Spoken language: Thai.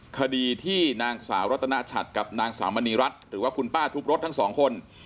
คดีที่นางสาวรัตนชัดกับนางสาวมณีรัฐหรือว่าคุณป้าทุบรถทั้งสองคน